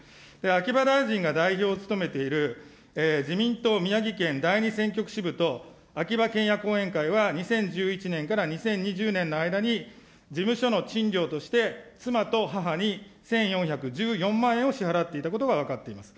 秋葉大臣が代表を務めている、自民党宮城県第２選挙区支部と秋葉賢也後援会は、２０１１年から２０２０年の間に、事務所の賃料として、妻と母に１４１４万円を支払っていたことが分かっています。